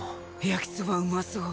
焼きそばうまそう！